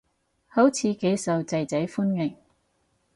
好似幾受囝仔歡迎